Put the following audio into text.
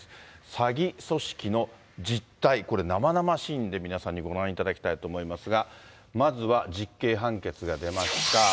詐欺組織の実態、これ、生々しいんで、皆さんにご覧いただきたいと思いますが、まずは実刑判決が出ました。